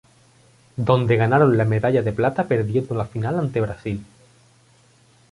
Donde ganaron la medalla de plata perdiendo la final ante Brasil.